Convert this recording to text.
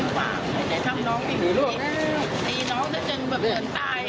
แม่ก็กลัวไงว่าน้องเป็นไรว่าน้องเป็นโรงชักอยู่แล้ว